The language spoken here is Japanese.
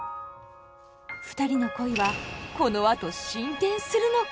ふたりの恋はこのあと進展するのか。